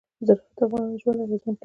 زراعت د افغانانو ژوند اغېزمن کوي.